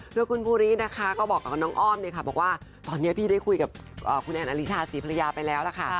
โดยคุณภูรินะคะก็บอกกับน้องอ้อมบอกว่าตอนนี้พี่ได้คุยกับคุณแอนอลิชาศรีภรรยาไปแล้วล่ะค่ะ